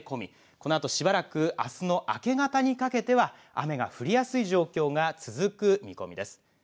このあとしばらくあすの明け方にかけては雨が降りやすい状況が続く見込みです。